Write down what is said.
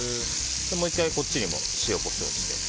もう１回、こっちも塩、コショウ。